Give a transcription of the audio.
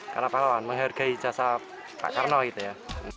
karena pahlawan menghargai jasa pak karno gitu ya